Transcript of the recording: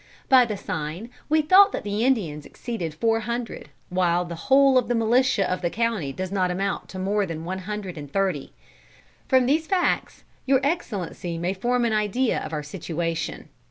By the sign, we thought that the Indians exceeded four hundred, while the whole of the militia of the county does not amount to more than one hundred and thirty. "From these facts, Your Excellency may form an idea of our situation.